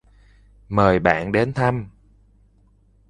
Mời bạn đến thăm.